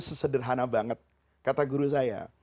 sesederhana banget kata guru saya